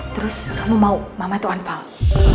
terus kamu mau mama tuh unfollow